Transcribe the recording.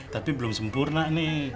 tapi belum sempurna nih